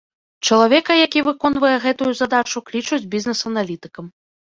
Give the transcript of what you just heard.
Чалавека, які выконвае гэтую задачу, клічуць бізнес-аналітыкам.